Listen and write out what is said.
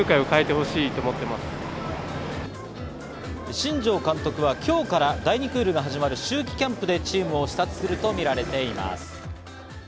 新庄監督は今日から第２クールが始まる秋季キャンプでチームを視察するとみられています。